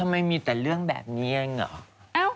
ทำไมมีแต่เรื่องแบบนี้เนี่ยเหงาะ